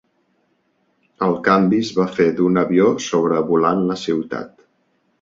El canvi es va fer d'un avió sobrevolant la ciutat.